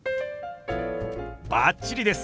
バッチリです！